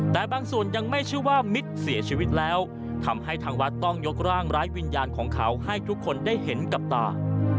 แต่บางส่วนยังไม่เชื่อว่ามิตรเสียชีวิตแล้วทำให้ทางวัดต้องยกร่างไร้วิญญาณของเขาให้ทุกคนได้เห็นกับตา